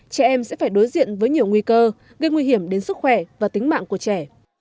trẻ em sẽ phải đối diện với nhiều nguy cơ gây nguy hiểm đến sức khỏe và tính mạng của trẻ